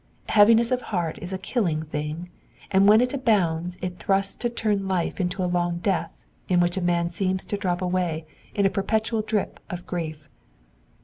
Heaviness of heart is a killing thing, and when it abounds it threatens to turn life into a long death, in which a man seems to drop away in a perpetual drip of grief.